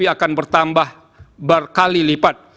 kegunaan negara dihadapi akan bertambah berkali lipat